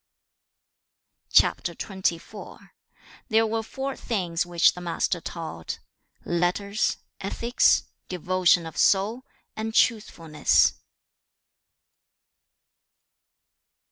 CHAP. XXIV. There were four things which the Master taught, letters, ethics, devotion of soul, and truthfulness.